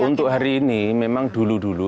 untuk hari ini memang dulu dulu